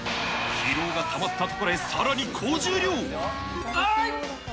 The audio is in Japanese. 疲労がたまったところでさらあいっ！